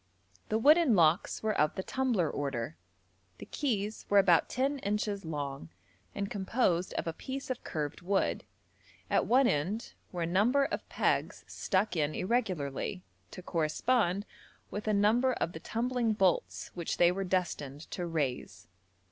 The wooden locks were of the 'tumbler' order. The keys were about 10 inches long, and composed of a piece of curved wood: at one end were a number of pegs stuck in irregularly, to correspond with a number of the tumbling bolts which they were destined to raise.